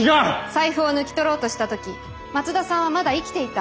財布を抜き取ろうとした時松田さんはまだ生きていた。